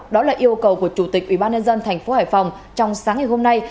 đó là yêu cầu của chủ tịch ubnd tp hải phòng trong sáng ngày hôm nay